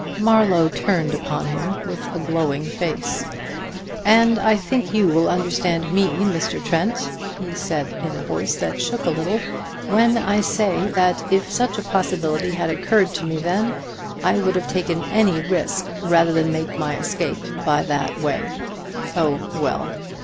Marlowe turned upon him with a glowing face. "And I think you will understand me, Mr. Trent," he said in a voice that shook a little, "when I say that if such a possibility had occurred to me then, I would have taken any risk rather than make my escape by that way.... Oh, well!"